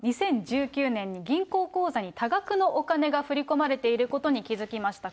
バルーンさん、２０１９年に銀行口座に多額のお金が振り込まれていることに気付きました。